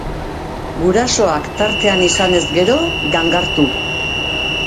Gurasoak tartean izanez gero, gangartu.